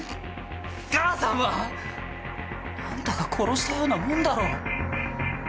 母さんはあんたが殺したようなもんだろう？